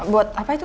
buat apa itu